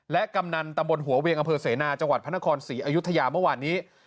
กำนันตำบลหัวเวียงอำเภอเสนาจังหวัดพระนครศรีอยุธยาเมื่อวานนี้